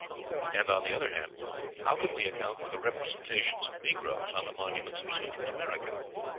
And, on the other hand, how can we account for the representations of negroes on the monuments of Central America?